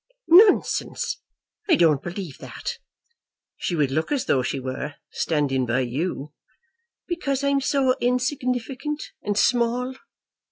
"Nonsense. I don't believe that." "She would look as though she were, standing by you." "Because I am so insignificant and small."